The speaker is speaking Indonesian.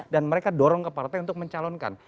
dan mereka dorong ke partai untuk mencalonkan